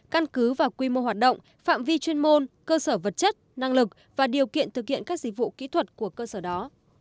căn cứ và quy mô hoạt động phạm vi chuyên môn cơ sở vật chất năng lực và điều kiện thực hiện các dịch vụ kỹ thuật của cơ sở đó